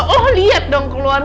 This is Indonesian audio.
oh lihat dong keluhan